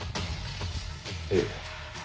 ええ。